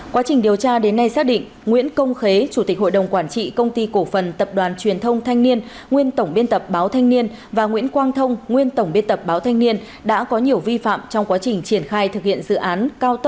quá trình điều tra đến nay xác định nguyễn công khế chủ tịch hội đồng quản trị công ty cổ phần tập đoàn truyền thông thanh niên nguyên tổng biên tập báo thanh niên và nguyễn quang thông nguyên tổng biên tập báo thanh niên đã có nhiều vi phạm trong quá trình triển khai thực hiện dự án